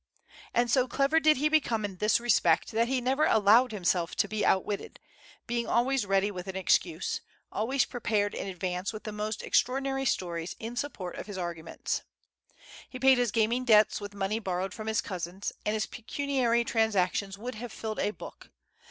And so clever did he become in this respect that he never allowed him self to be outwitted, being always ready with an excuse, always prepared in advance with the most extraordi nary stories in support of his arguments. He paid his gaming debts with money borrowed from his cousins, and his pecuniary transactions would have filled a book.